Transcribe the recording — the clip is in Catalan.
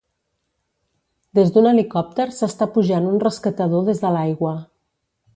Des d'un helicòpter s'està pujant un rescatador des de l'aigua.